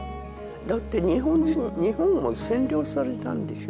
だって日本人日本は占領されたんでしょ